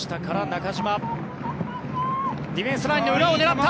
ディフェンスラインの裏を狙った。